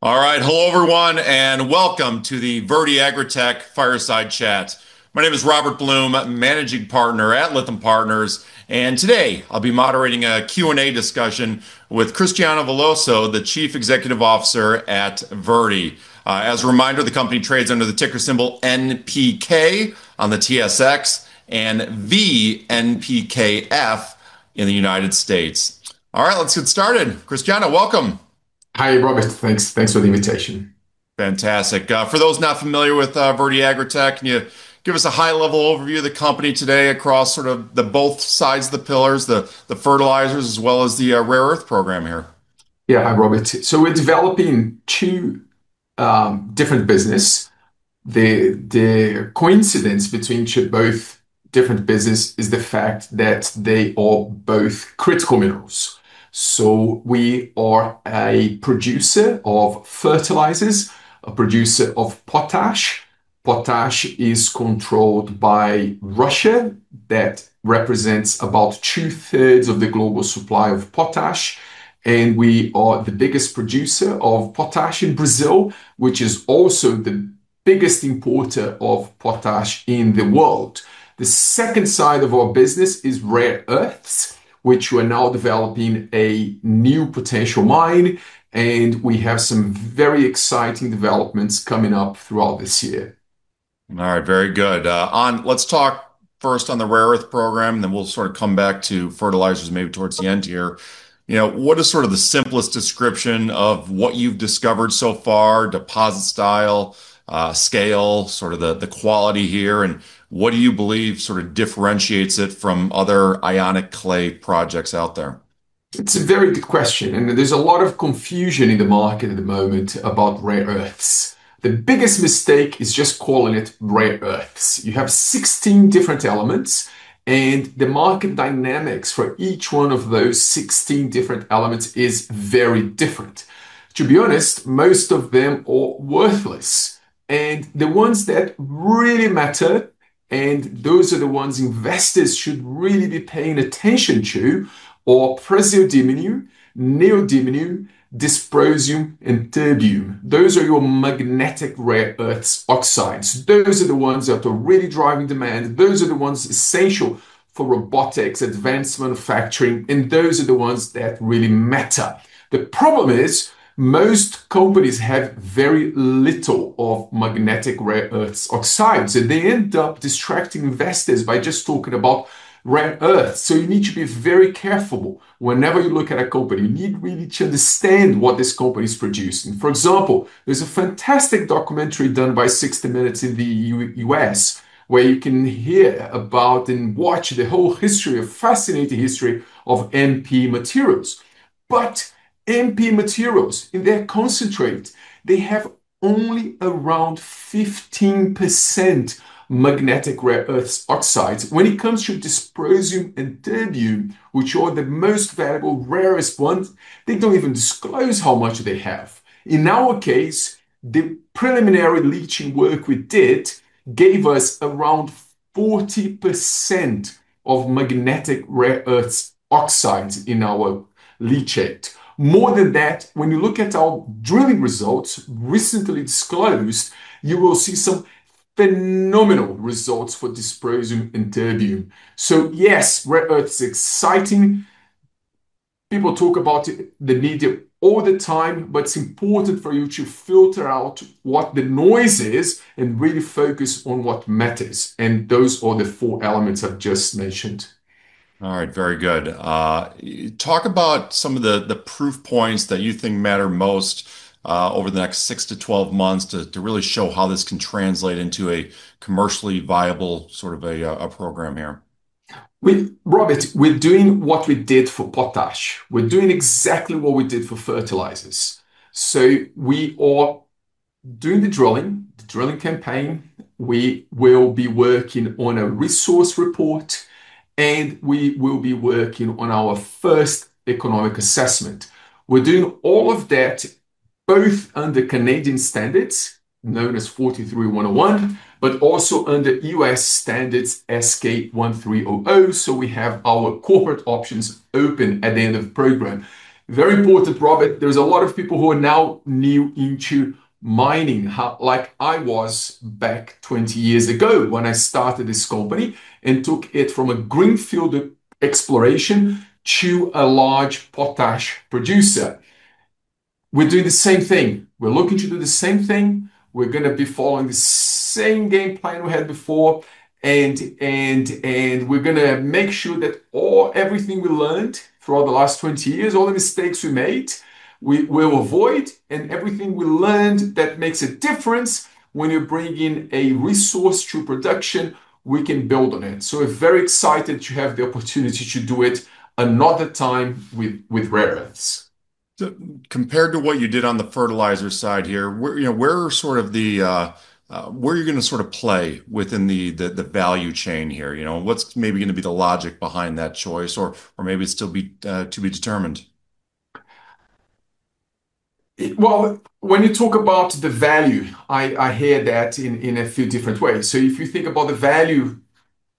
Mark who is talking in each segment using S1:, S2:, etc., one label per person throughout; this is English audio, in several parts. S1: All right. Hello, everyone, and welcome to the Verde AgriTech Fireside Chat. My name is Robert Blum, managing partner at Lytham Partners, and today I'll be moderating a Q&A discussion with Cristiano Veloso, the Chief Executive Officer at Verde. As a reminder, the company trades under the ticker symbol NPK on the TSX and VNPKF in the United States. All right, let's get started. Cristiano, welcome.
S2: Hi, Robert. Thanks for the invitation.
S1: Fantastic. For those not familiar with Verde AgriTech, can you give us a high-level overview of the company today across sort of the both sides of the pillars, the fertilizers as well as the rare earth program here?
S2: Yeah. Hi, Robert. We're developing two different business. The coincidence between both different business is the fact that they are both critical minerals. We are a producer of fertilizers, a producer of potash. Potash is controlled by Russia. That represents about two-thirds of the global supply of potash, and we are the biggest producer of potash in Brazil, which is also the biggest importer of potash in the world. The second side of our business is rare earths, which we're now developing a new potential mine, and we have some very exciting developments coming up throughout this year.
S1: All right. Very good. Let's talk first on the rare earth program, then we'll sort of come back to fertilizers maybe towards the end here. You know, what is sort of the simplest description of what you've discovered so far, deposit style, scale, sort of the quality here, and what do you believe sort of differentiates it from other ionic clay projects out there?
S2: It's a very good question, and there's a lot of confusion in the market at the moment about rare earths. The biggest mistake is just calling it rare earths. You have 16 different elements, and the market dynamics for each one of those 16 different elements is very different. To be honest, most of them are worthless. The ones that really matter, and those are the ones investors should really be paying attention to, are praseodymium, neodymium, dysprosium, and terbium. Those are your magnetic rare earth oxides. Those are the ones that are really driving demand. Those are the ones essential for robotics, advanced manufacturing, and those are the ones that really matter. The problem is most companies have very little of magnetic rare earth oxides, and they end up distracting investors by just talking about rare earths. You need to be very careful whenever you look at a company. You need really to understand what this company's producing. For example, there's a fantastic documentary done by 60 Minutes in the U.S. where you can hear about and watch the whole history, a fascinating history of MP Materials. MP Materials in their concentrate, they have only around 15% magnetic rare earth oxides. When it comes to dysprosium and terbium, which are the most valuable, rarest ones, they don't even disclose how much they have. In our case, the preliminary leaching work we did gave us around 40% of magnetic rare earth oxides in our leachate. More than that, when you look at our drilling results recently disclosed, you will see some phenomenal results for dysprosium and terbium. Yes, rare earths exciting. People talk about it, the media all the time, but it's important for you to filter out what the noise is and really focus on what matters, and those are the four elements I've just mentioned.
S1: All right, very good. Talk about some of the proof points that you think matter most over the next six months to 12 months to really show how this can translate into a commercially viable sort of a program here.
S2: Robert, we're doing what we did for potash. We're doing exactly what we did for fertilizers. We are doing the drilling, the drilling campaign. We will be working on a resource report, and we will be working on our first economic assessment. We're doing all of that both under Canadian standards, known as NI 43-101, but also under U.S. standards S-K 1300, so we have our corporate options open at the end of program. Very important, Robert. There's a lot of people who are now new into mining, like I was back 20 years ago when I started this company and took it from a greenfield exploration to a large potash producer. We're doing the same thing. We're looking to do the same thing. We're going to be following the same game plan we had before, and we're going to make sure that everything we learned throughout the last 20 years, all the mistakes we made, we will avoid, and everything we learned that makes a difference when you bring in a resource to production, we can build on it. We're very excited to have the opportunity to do it another time with rare earths.
S1: Compared to what you did on the fertilizer side here, where, you know, where are you going to sort of play within the value chain here, you know? What's maybe going to be the logic behind that choice or maybe it's still to be determined?
S2: Well, when you talk about the value, I hear that in a few different ways. If you think about the value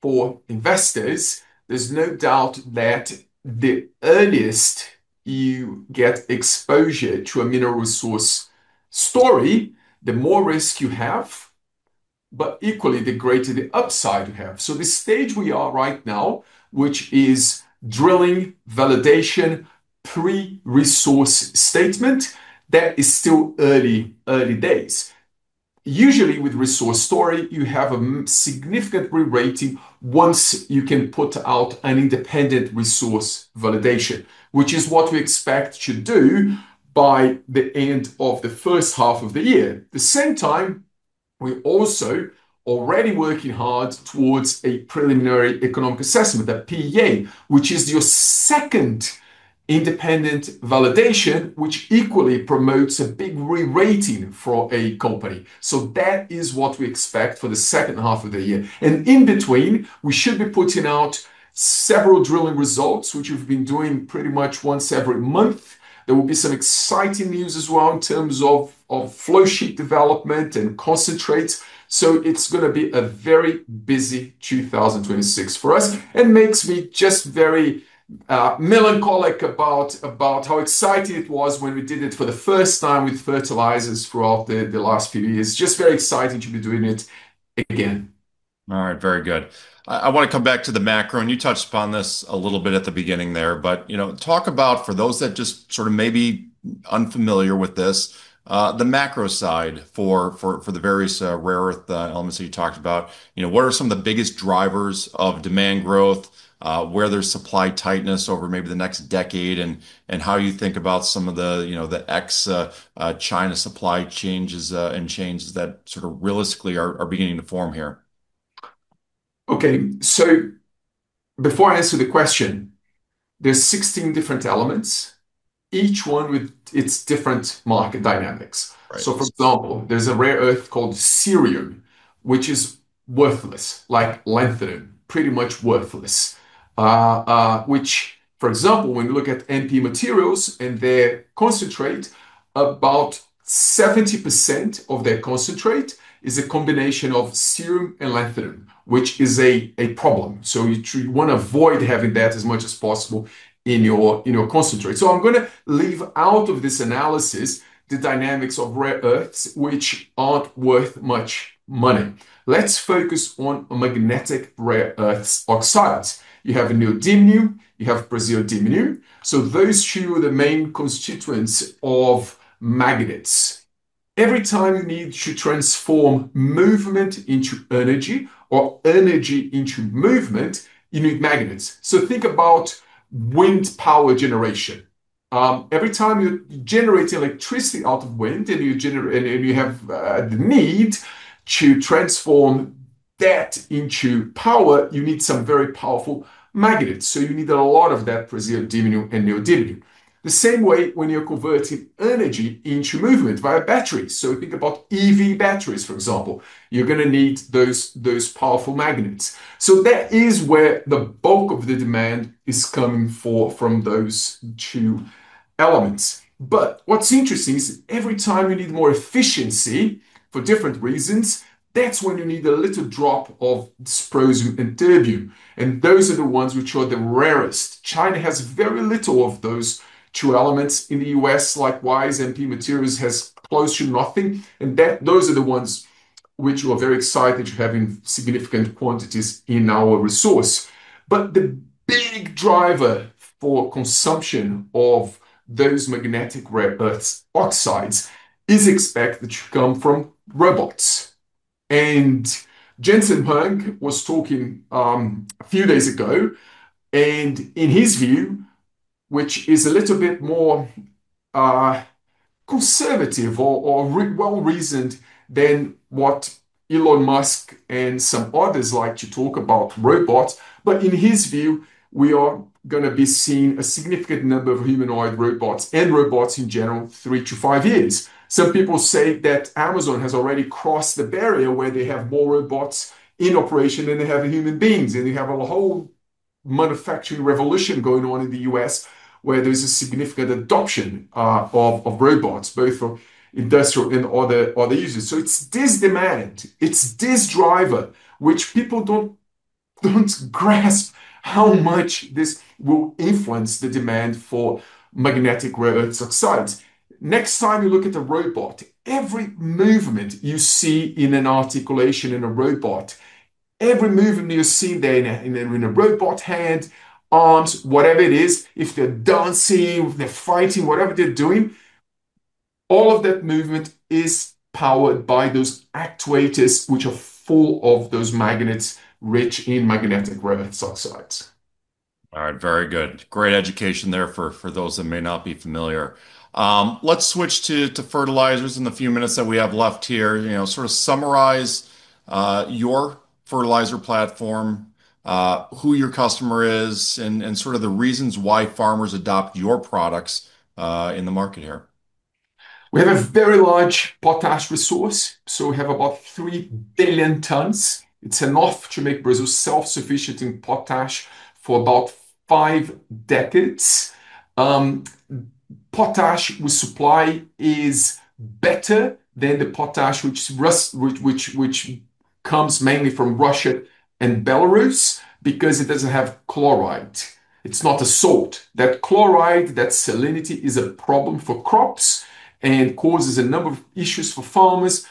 S2: for investors, there's no doubt that the earliest you get exposure to a mineral resource story, the more risk you have, but equally the greater the upside you have. The stage we are right now, which is drilling, validation, pre-resource statement, that is still early days. Usually with resource story, you have a significant re-rating once you can put out an independent resource validation, which is what we expect to do by the end of the first half of the year. At the same time, we're also already working hard towards a preliminary economic assessment, the PEA, which is your second independent validation, which equally promotes a big re-rating for a company. That is what we expect for the second half of the year. In between, we should be putting out several drilling results, which we've been doing pretty much once every month. There will be some exciting news as well in terms of of flow sheet development and concentrates, so it's going to be a very busy 2026 for us. It makes me just very melancholic about how exciting it was when we did it for the first time with fertilizers throughout the last few years. Just very exciting to be doing it again.
S1: All right. Very good. I want to come back to the macro, and you touched upon this a little bit at the beginning there. You know, talk about for those that just sort of may be unfamiliar with this, the macro side for the various rare earth elements that you talked about. You know, what are some of the biggest drivers of demand growth, where there's supply tightness over maybe the next decade, and how you think about some of the, you know, the ex-China supply changes, and changes that sort of realistically are beginning to form here?
S2: Okay. Before I answer the question, there's 16 different elements, each one with its different market dynamics.
S1: Right.
S2: For example, there's a rare earth called cerium, which is worthless, like lanthanum, pretty much worthless, which for example, when you look at MP Materials and their concentrate, about 70% of their concentrate is a combination of cerium and lanthanum, which is a problem. You want to avoid having that as much as possible in your concentrate. I'm going to leave out of this analysis the dynamics of rare earths which aren't worth much money. Let's focus on magnetic rare earth oxides. You have neodymium, you have praseodymium. Those two are the main constituents of magnets. Every time you need to transform movement into energy or energy into movement, you need magnets. Think about wind power generation. Every time you generate electricity out of wind, and you have the need to transform that into power, you need some very powerful magnets. You need a lot of that praseodymium and neodymium. The same way when you're converting energy into movement via batteries, think about EV batteries, for example. You're going to need those powerful magnets. That is where the bulk of the demand is coming from those two elements. What's interesting is every time you need more efficiency for different reasons, that's when you need a little drop of dysprosium and terbium, and those are the ones which are the rarest. China has very little of those two elements. In the U.S., likewise, MP Materials has close to nothing, and those are the ones which we're very excited to have in significant quantities in our resource. The big driver for consumption of those magnetic rare earth oxides is expected to come from robots. Jensen Huang was talking a few days ago, and in his view, which is a little bit more conservative or well-reasoned than what Elon Musk and some others like to talk about robots. In his view, we are going to be seeing a significant number of humanoid robots and robots in general three to five years. Some people say that Amazon has already crossed the barrier where they have more robots in operation than they have human beings, and you have a whole manufacturing revolution going on in the U.S. where there's a significant adoption of robots, both for industrial and other uses. It's this demand, it's this driver which people don't grasp how much this will influence the demand for magnetic rare earth oxides. Next time you look at a robot, every movement you see in an articulation in a robot, every movement you see there in a robot hand, arms, whatever it is, if they're dancing, if they're fighting, whatever they're doing, all of that movement is powered by those actuators which are full of those magnets rich in magnetic rare earth oxides.
S1: All right. Very good. Great education there for those that may not be familiar. Let's switch to fertilizers in the few minutes that we have left here. You know, sort of summarize your fertilizer platform, who your customer is, and sort of the reasons why farmers adopt your products in the market here.
S2: We have a very large potash resource, so we have about 3 billion tons. It's enough to make Brazil self-sufficient in potash for about five decades. Potash we supply is better than the potash which comes mainly from Russia and Belarus because it doesn't have chloride. It's not a salt. That chloride, that salinity is a problem for crops and causes a number of issues for farmers.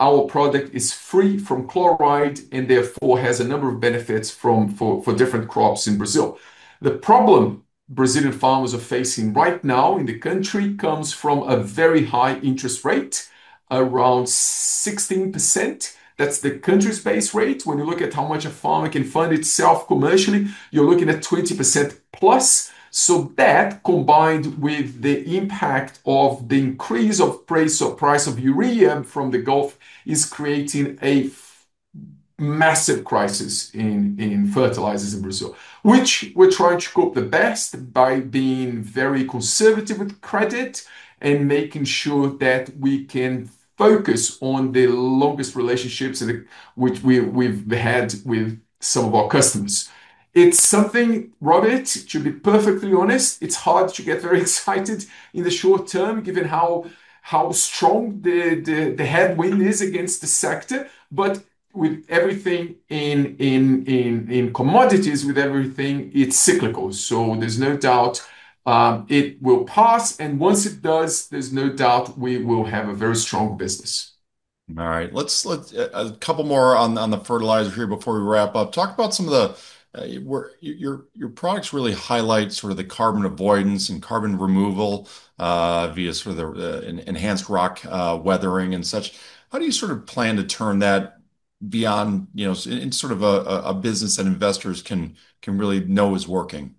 S2: Our product is free from chloride and therefore has a number of benefits for different crops in Brazil. The problem Brazilian farmers are facing right now in the country comes from a very high interest rate, around 16%. That's the country's base rate. When you look at how much a farmer can fund itself commercially, you're looking at 20% plus. That combined with the impact of the increase of price of urea from the Gulf is creating a massive crisis in fertilizers in Brazil, which we're trying to cope the best by being very conservative with credit and making sure that we can focus on the longest relationships we've had with some of our customers. It's something, Robert, to be perfectly honest, it's hard to get very excited in the short term given how strong the headwind is against the sector. With everything in commodities, it's cyclical. There's no doubt it will pass, and once it does, there's no doubt we will have a very strong business.
S1: All right. Let's a couple more on the fertilizer here before we wrap up. Talk about some of your products really highlight sort of the carbon avoidance and carbon removal via sort of Enhanced Rock Weathering and such. How do you sort of plan to turn that beyond, you know, in sort of a business that investors can really know is working?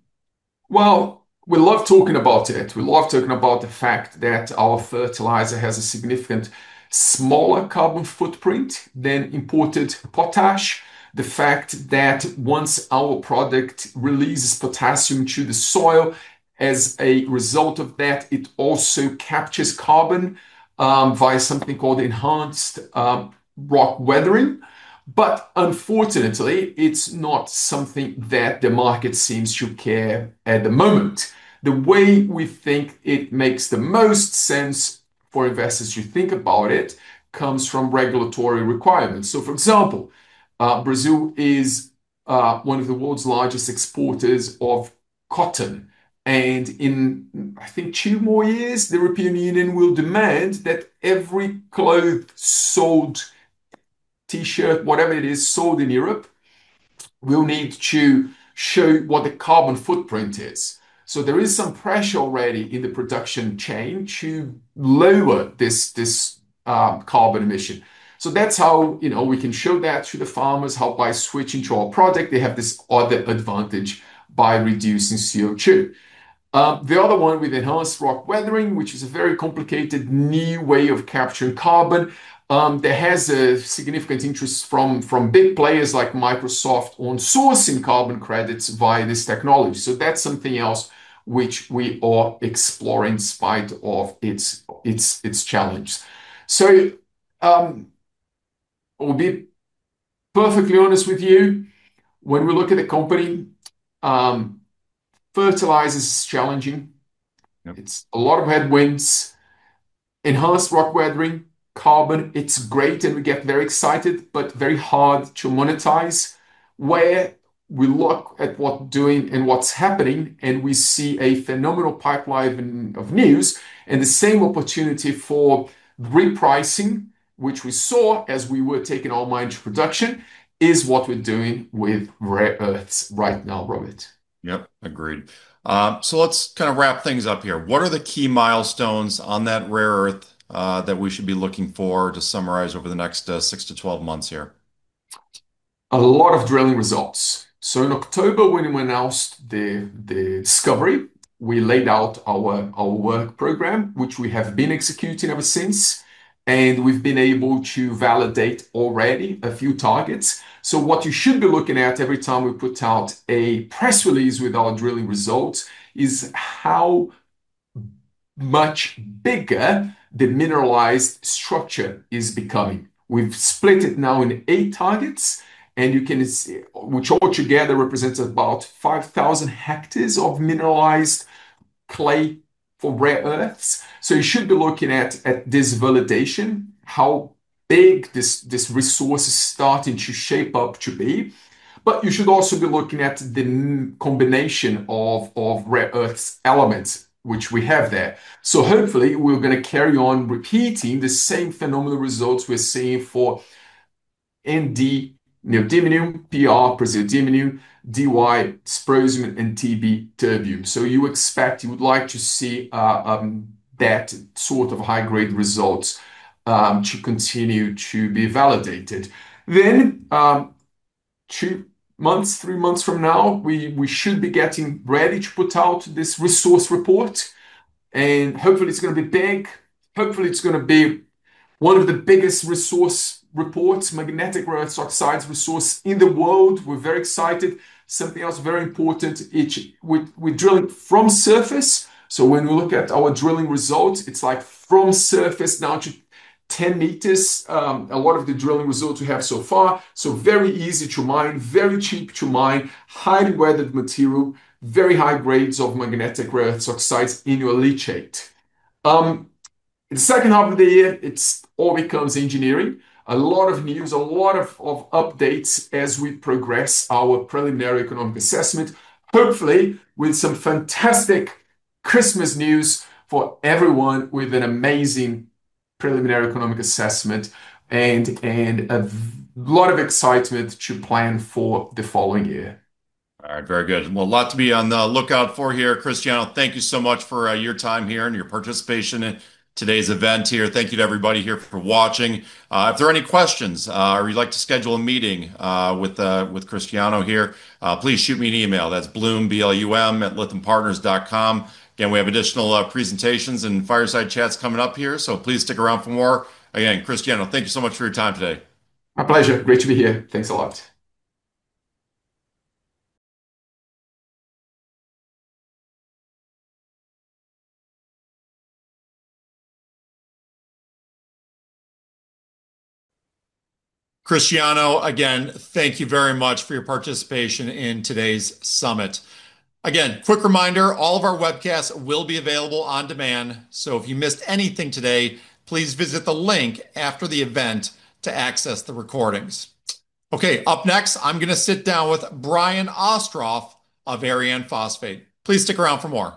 S2: Well, we love talking about it. We love talking about the fact that our fertilizer has a significant smaller carbon footprint than imported potash. The fact that once our product releases potassium to the soil, as a result of that, it also captures carbon via something called Enhanced Rock Weathering. Unfortunately, it's not something that the market seems to care at the moment. The way we think it makes the most sense for investors to think about it comes from regulatory requirements. For example, Brazil is one of the world's largest exporters of cotton. In two more years, I think, the European Union will demand that every T-shirt, whatever it is, sold in Europe will need to show what the carbon footprint is. There is some pressure already in the production chain to lower this carbon emission. That's how, you know, we can show that to the farmers, how by switching to our product, they have this other advantage by reducing CO2. The other one with Enhanced Rock Weathering, which is a very complicated new way of capturing carbon, that has a significant interest from big players like Microsoft on sourcing carbon credits via this technology. That's something else which we are exploring in spite of its challenges. I'll be perfectly honest with you, when we look at the company, fertilizer is challenging.
S1: Yep.
S2: It's a lot of headwinds. Enhanced Rock Weathering, carbon, it's great, and we get very excited, but very hard to monetize. Where we look at what we're doing and what's happening, and we see a phenomenal pipeline of news and the same opportunity for repricing, which we saw as we were taking our mine to production, is what we're doing with rare earths right now, Robert.
S1: Yep. Agreed. Let's kind of wrap things up here. What are the key milestones on that rare earth that we should be looking for to summarize over the next six to 12 months here?
S2: A lot of drilling results. In October, when we announced the discovery, we laid out our work program, which we have been executing ever since. We've been able to validate already a few targets. What you should be looking at every time we put out a press release with our drilling results is how much bigger the mineralized structure is becoming. We've split it now in eight targets, which all together represents about 5,000 ha of mineralized clay for rare earths. You should be looking at this validation, how big this resource is starting to shape up to be. You should also be looking at the combination of rare earth elements which we have there. Hopefully, we're going to carry on repeating the same phenomenal results we're seeing for Nd, neodymium, Pr, praseodymium, Dy, dysprosium, and Tb, terbium. You expect you would like to see that sort of high grade results to continue to be validated. Two months, three months from now, we should be getting ready to put out this resource report, and hopefully it's going to be big. Hopefully it's going to be one of the biggest resource reports, magnetic rare earth oxides resource in the world. We're very excited. Something else very important. We're drilling from surface. When we look at our drilling results, it's like from surface down to 10 m, a lot of the drilling results we have so far. Very easy to mine, very cheap to mine, highly weathered material, very high grades of magnetic rare earth oxides in your leachate. In the second half of the year, it all becomes engineering. A lot of news, a lot of updates as we progress our preliminary economic assessment. Hopefully with some fantastic Christmas news for everyone with an amazing preliminary economic assessment and a lot of excitement to plan for the following year.
S1: All right. Very good. Well, a lot to be on the lookout for here. Cristiano, thank you so much for your time here and your participation in today's event here. Thank you to everybody here for watching. If there are any questions, or you'd like to schedule a meeting with Cristiano here, please shoot me an email. That's Blum, B-L-U-M, @lythampartners.com. Again, we have additional presentations and fireside chats coming up here, so please stick around for more. Again, Cristiano, thank you so much for your time today.
S2: My pleasure. Great to be here. Thanks a lot.
S1: Cristiano, again, thank you very much for your participation in today's summit. Again, quick reminder, all of our webcasts will be available on demand, so if you missed anything today, please visit the link after the event to access the recordings. Okay. Up next, I'm going to sit down with Brian Ostroff of Arianne Phosphate. Please stick around for more.